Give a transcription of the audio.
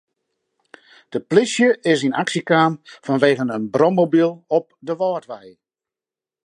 De plysje is yn aksje kaam fanwegen in brommobyl op de Wâldwei.